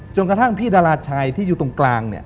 กระทั่งพี่ดาราชัยที่อยู่ตรงกลาง